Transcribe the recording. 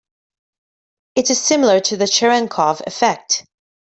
It is similar to the Cherenkov effect.